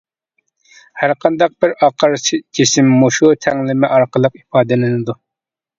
ھەرقانداق بىر ئاقار جىسىم مۇشۇ تەڭلىمە ئارقىلىق ئىپادىلىنىدۇ.